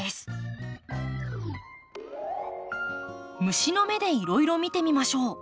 虫の目でいろいろ見てみましょう。